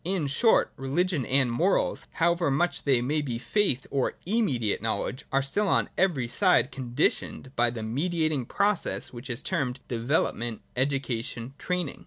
In short, religion and morals, however much they may be faith or immediate knowledge, are still on every side conditioned by the mediating process which is termed development, education, training.